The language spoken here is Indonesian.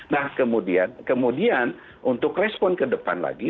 nah kemudian untuk respon ke depan lagi